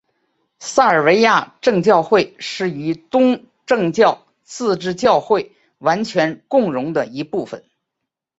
塞尔维亚正教会是与东正教自治教会完全共融的一部分。